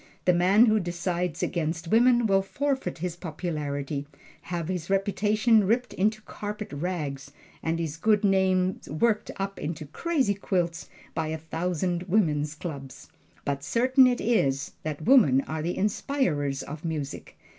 The man who decides against woman will forfeit his popularity, have his reputation ripped into carpet rags, and his good name worked up into crazy quilts by a thousand Woman's Clubs. But certain it is that women are the inspirers of music.